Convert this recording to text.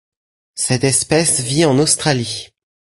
Cette espèce vit en Australie.